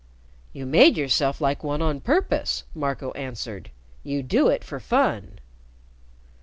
"You made yourself like one on purpose," Marco answered. "You do it for fun."